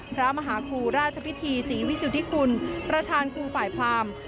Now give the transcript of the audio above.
พระมหาครูราชพิธีศรีวิสุทธิกุลประธานครูฝ่ายพราม